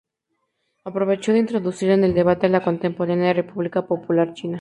Aprovecho de introducir en el debate a la contemporánea República Popular China.